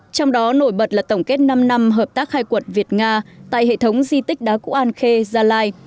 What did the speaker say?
trong đó nổi bật là tổng kết năm năm hợp tác khai quật việt nga tại hệ thống di tích đá cụ an khê gia lai